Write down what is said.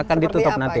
akan ditutup nanti